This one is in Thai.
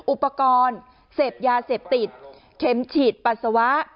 อุปกรณ์เสพยาเสพติดเข็มฉีดปัสสาวะ